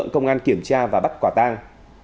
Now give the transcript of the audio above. công an kiểm tra và bắt quả tang